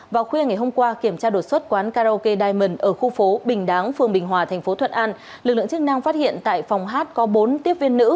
vào khuya ngày hôm qua kiểm tra đột xuất quán karaoke diamond ở khu phố bình đáng phường bình hòa thành phố thuận an lực lượng chức năng phát hiện tại phòng hát có bốn tiếp viên nữ